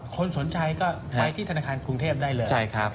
คนสนใจก็ไปที่ธนาคารกรุงเทพได้เลย